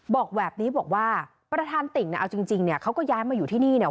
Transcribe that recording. บอกแบบนี้บอกว่าประธานติ่งเนี่ยเอาจริงเนี่ยเขาก็ย้ายมาอยู่ที่นี่เนี่ย